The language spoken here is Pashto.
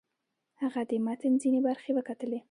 هغه د متن ځینې برخې وکتلې.